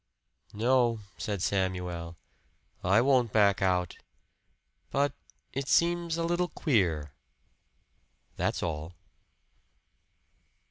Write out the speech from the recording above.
"No," said Samuel. "I won't back out! But it seems a little queer, that's all."